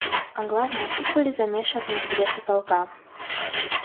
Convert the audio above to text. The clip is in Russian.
А главное, тут были замешаны интересы полка.